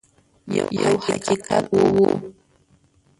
یو حقیقت وو.